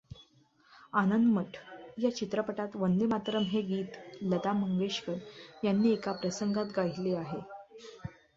आनंदमठ या चित्रपटात वंदे मातरम् हे गीत लता मंगेशकर यांनी एका प्रसंगात गायिले आहे.